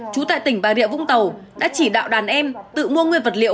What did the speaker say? chú tại tỉnh bà rịa vũng tàu đã chỉ đạo đàn em tự mua nguyên vật liệu